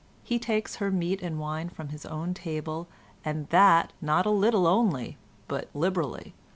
He takes her meat and wine from his own table, and that not a little only but liberally.